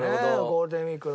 ゴールデンウィーク。